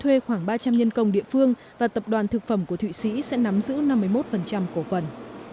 kế hoạch liên doanh mới của nestle sẽ thuê khoảng ba trăm linh nhân công địa phương và tập đoàn thực phẩm của thụy sĩ sẽ nắm giữ năm mươi một của phần